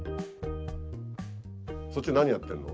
そっち何やってんの？